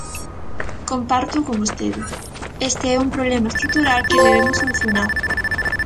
Compártoo con vostede, este é un problema estrutural que debemos solucionar.